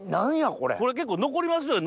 これ結構残りますよね